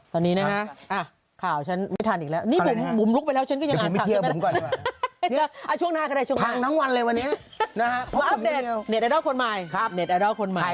ตอนนี้นะฮะข่าวหาวชั้นไม่ทันอีกแล้ว